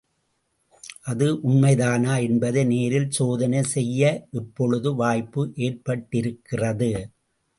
அது உண்மைதானா என்பதை நேரில் சோதனை செய்ய இப்பொழுது வாய்ப்பு ஏற்பட்டிருக்கிறது.